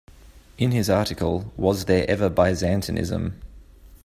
In his article, Was There Ever Byzantinism?